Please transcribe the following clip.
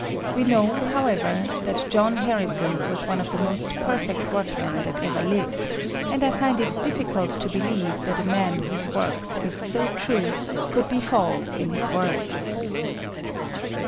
We know, however, that John Harrison was one of the most perfect workmen that ever lived, and I find it difficult to believe that a man whose works were so true could be false in his words.